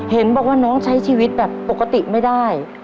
เห็นบอกว่าน้องใช้ชีวิตแบบปกติไม่ได้